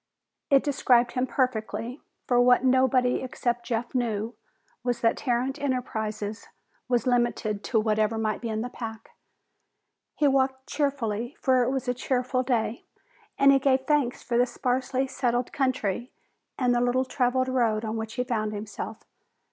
It described him perfectly, for what nobody except Jeff knew was that Tarrant Enterprises was limited to whatever might be in the pack. He walked cheerfully, for it was a cheerful day, and he gave thanks for the sparsely settled country and the little traveled road on which he found himself.